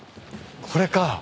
これか。